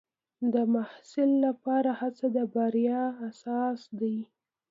د محصل لپاره هڅه د بریا اساس دی.